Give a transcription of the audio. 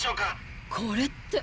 これって。